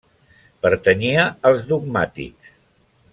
Pertanyia als dogmàtics.